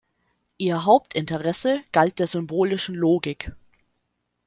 Ihr Hauptinteresse galt der „symbolischen Logik“.